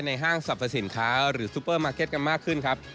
ห้างสรรพสินค้าหรือซูเปอร์มาร์เก็ตกันมากขึ้นครับ